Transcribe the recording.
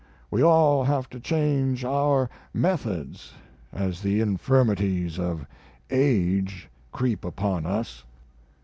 We all have to change our methods as the infirmities of age creep upon us.